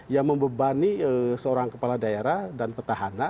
yang membebani seorang kepala daerah dan petahana